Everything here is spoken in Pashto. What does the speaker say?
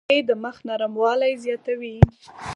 مالټې د مخ نرموالی زیاتوي.